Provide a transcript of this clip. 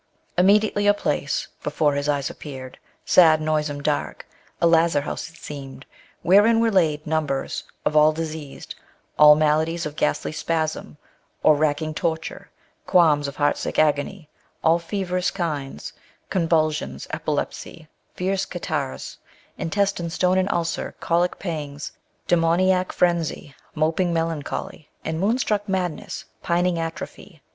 . Immediately a place Before his eyes appeared : sad, noisome, dark : A Iftzar bouse it seemed ; wherein were laid Numbers of all diseased : all maladies Of ghastly spasm, or racking torture, qualms Of heart sick agony, all feverous kinds, Digitized by Google 10 A Vindication of Natural Diet. OonvulBions, epilepsies, fierce catarrliB ; Intestine stone and ulcer, cholic pangs, Dsemoniac frenzy, moping melancholy. And moon struck madness, pining atrophy.